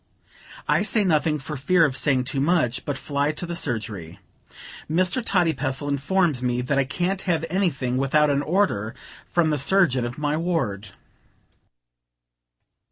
I say nothing, for fear of saying too much, but fly to the surgery. Mr. Toddypestle informs me that I can't have anything without an order from the surgeon of my ward.